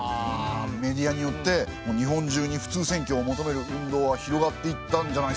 メディアによって日本中に普通選挙を求める運動が広がっていったんじゃないですか？